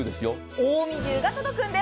近江牛が届くんです。